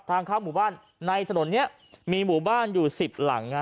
ทางเข้าหมู่บ้านในถนนนี้มีหมู่บ้านอยู่๑๐หลัง